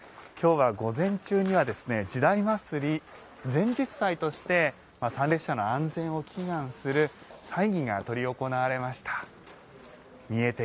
今日は午前中には「時代祭」前日祭として参列者の安全を祈願する祭儀が執り行われました。